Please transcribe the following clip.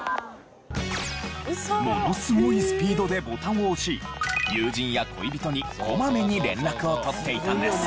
ものすごいスピードでボタンを押し友人や恋人にこまめに連絡を取っていたんです。